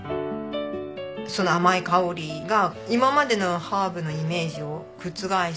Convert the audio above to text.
その甘い香りが今までのハーブのイメージを覆す。